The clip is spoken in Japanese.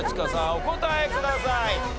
お答えください。